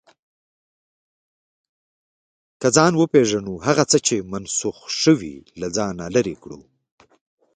که ځان وپېژنو، هغه څه چې منسوخ شوي، له ځانه لرې کوو.